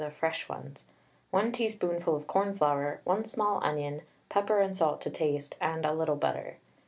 of fresh ones, 1 teaspoonful of cornflour, 1 small onion, pepper and salt to taste, and a little butter.